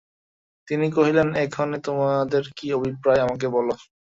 তিনি কহিলেন, এক্ষণে তোমাদের কী অভিপ্রায় আমাকে বলো।